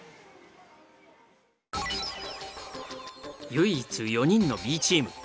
唯一４人のＢチーム。